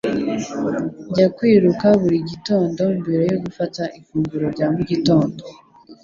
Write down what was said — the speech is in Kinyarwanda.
Njya kwiruka buri gitondo mbere yo gufata ifunguro rya mu gitondo